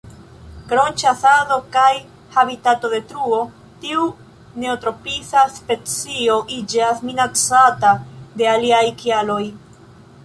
Krom ĉasado kaj habitatodetruo, tiu neotropisa specio iĝas minacata de aliaj kialoj.